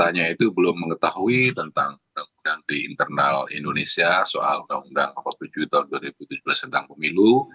hanya itu belum mengetahui tentang di internal indonesia soal undang undang nomor tujuh tahun dua ribu tujuh belas tentang pemilu